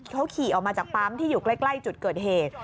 เขาขี่ออกมาจากปั๊มที่อยู่ใกล้จุดเกิดเหตุ